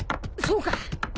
そうか！